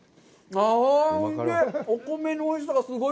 ああ、おいしい！